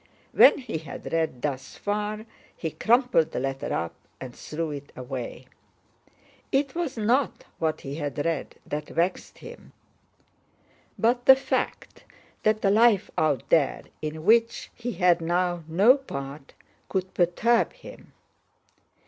When he had read thus far, he crumpled the letter up and threw it away. It was not what he had read that vexed him, but the fact that the life out there in which he had now no part could perturb him.